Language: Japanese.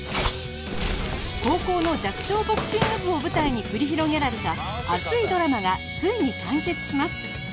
高校の弱小ボクシング部を舞台に繰り広げられた熱いドラマがついに完結します